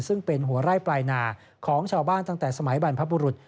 ซึ่งเป็นหัวไร่ปลายนาของชาวบ้านตั้งแต่สมัยบรรพบุรุษ